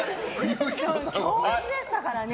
強烈でしたからね。